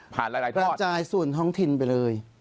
กระจายส่วนท้องถิ่นไปเลย